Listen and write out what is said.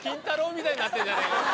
みたいになってんじゃねぇか。